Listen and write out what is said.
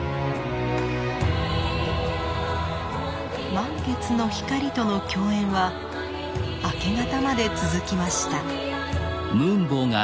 満月の光との共演は明け方まで続きました。